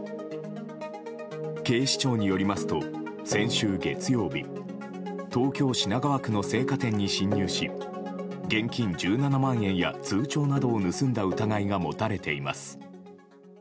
警視庁によりますと、先週月曜日東京・品川区の青果店に侵入し現金１７万円や通帳などを盗んだ疑いが持たれています。